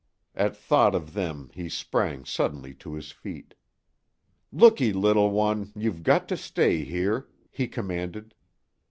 At thought of them he sprang suddenly to his feet. "Looky, little one, you've got to stay here!" he commanded.